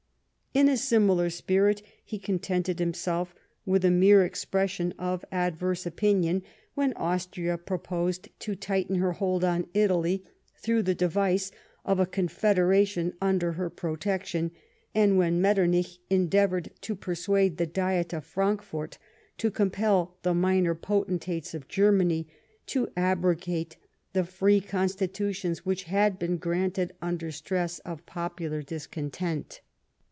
In a similar spirit he contented himself with a mere expression of adverse opinion THE QUADRUPLE ALLIANCE. 58 ^hen Austria proposed to tighten her hold on Italy through the device of a confederation under her pro tection, and when Metternich endeavoured to persuade the Diet of Frankfort to compel the minor potentates of Germany to abrogate the free constitutions which 4iad been granted under stress of popular discontent.